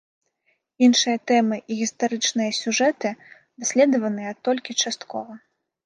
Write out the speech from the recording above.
Іншыя тэмы і гістарычныя сюжэты даследаваныя толькі часткова.